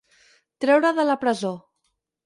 Treure de la presó.